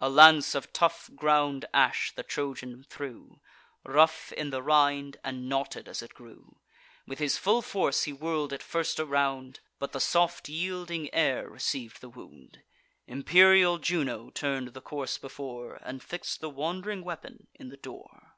A lance of tough ground ash the Trojan threw, Rough in the rind, and knotted as it grew: With his full force he whirl'd it first around; But the soft yielding air receiv'd the wound: Imperial Juno turn'd the course before, And fix'd the wand'ring weapon in the door.